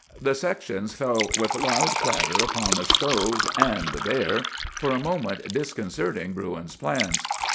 The sections fell with loud clatter upon the stove and the bear, for a moment disconcerting Bruin's plans.